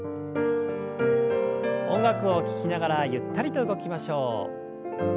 音楽を聞きながらゆったりと動きましょう。